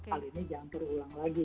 hal ini jangan terus ulang lagi